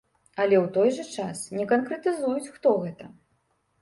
Але ў той жа час не канкрэтызуюць, хто гэта.